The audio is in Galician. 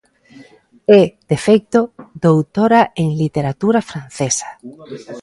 É, de feito, doutora en literatura francesa.